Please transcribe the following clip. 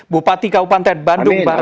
selamat datang di kantor bandung barat